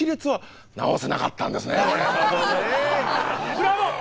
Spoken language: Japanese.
ブラボー！